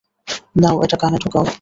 নাও, এটা কানে ঢোকাও।